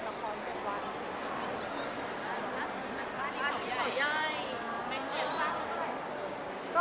บ้านถูกเก่าย่ายไม่เครื่องสร้างทุกวัน